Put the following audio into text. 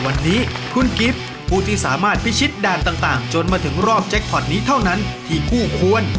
วันนี้คุณกิฟต์ผู้ที่สามารถพิชิตด่านต่างจนมาถึงรอบแจ็คพอร์ตนี้เท่านั้นที่คู่ควร